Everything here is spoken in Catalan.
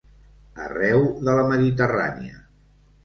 Arreu de la Mediterrània.